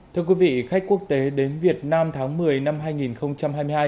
thưa quý vị khách quốc tế đến việt nam tháng một mươi năm hai nghìn hai mươi hai